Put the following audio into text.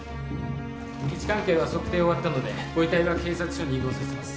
位置関係は測定終わったのでご遺体は警察署に移動させます。